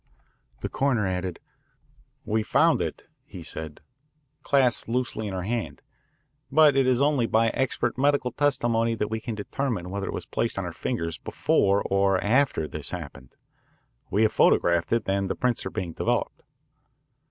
The coroner nodded. "We found it," he said, "clasped loosely in her hand. But it is only by expert medical testimony that we can determine whether it was placed on her fingers before or after this happened. We have photographed it, and the prints are being developed."